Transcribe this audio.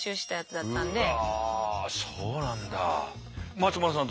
松丸さん